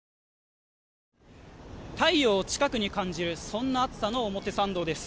太陽を近くに感じるそんな暑さの表参道です。